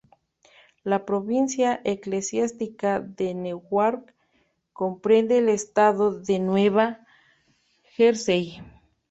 La Provincia Eclesiástica de Newark comprende el estado de Nueva Jersey.